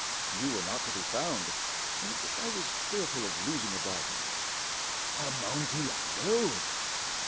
You were not to be found, and I was fearful of losing a bargain." "Amontillado!"